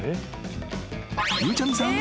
［ゆうちゃみさん。